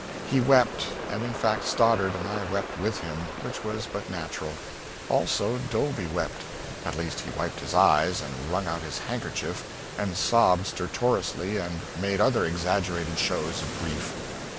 He wept, and in fact Stoddard and I wept with him, which was but natural. Also Dolby wept. At least he wiped his eyes and wrung out his handkerchief, and sobbed stertorously and made other exaggerated shows of grief.